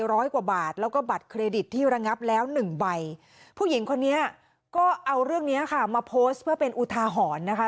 ร้อยกว่าบาทแล้วก็บัตรเครดิตที่ระงับแล้วหนึ่งใบผู้หญิงคนนี้ก็เอาเรื่องเนี้ยค่ะมาโพสต์เพื่อเป็นอุทาหรณ์นะคะ